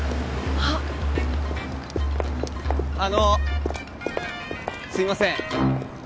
あッあのすいません